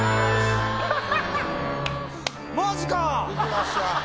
マジか！